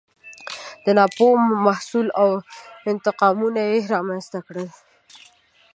د ناپوهۍ محصول و او انتقامونه یې رامنځته کړل.